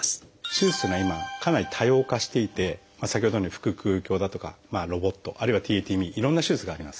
手術というのは今かなり多様化していて先ほどのように腹くう鏡だとかロボットあるいはＴａＴＭＥいろんな手術があります。